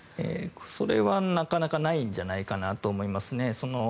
それはなかなかないんじゃないかと思いますね。